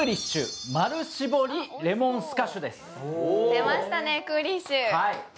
出ましたね、クーリッシュ。